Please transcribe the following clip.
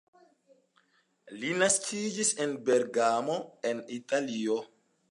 Li naskiĝis en Bergamo en Italio.